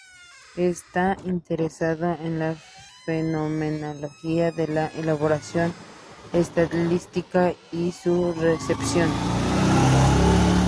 Está interesado en la fenomenología de la elaboración estilística y su recepción.